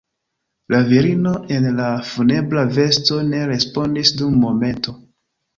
La virino en la funebra vesto ne respondis dum momento.